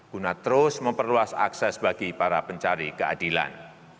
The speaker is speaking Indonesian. guna terus memperluas akses bagi para pencari keadilan